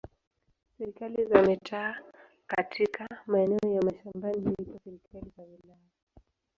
Serikali za mitaa katika maeneo ya mashambani huitwa serikali za wilaya.